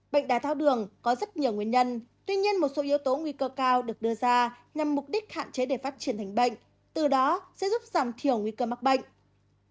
bệnh đái tháo đường có rất nhiều nguyên nhân tuy nhiên một số yếu tố nguy cơ cao được đưa ra nhằm mục đích hạn chế để phát triển thành bệnh từ đó sẽ giúp giảm thiểu nguy cơ mắc bệnh